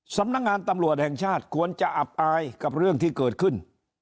สำนักงานตำรวจแห่งชาติควรจะอับอายกับเรื่องที่เกิดขึ้น